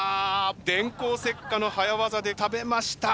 電光石火の早業で食べました。